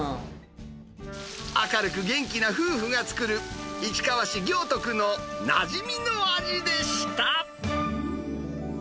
明るく元気な夫婦が作る市川市行徳のなじみの味でした。